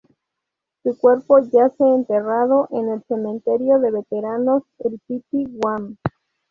Su cuerpo yace enterrado en el Cementerio de Veteranos, en Piti, Guam.